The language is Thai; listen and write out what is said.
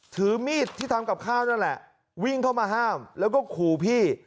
ถือมีดที่ทำกับข้าวนั่นแหละวิ่งเข้ามาห้ามแล้วก็ขู่พี่